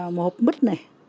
một hộp mứt này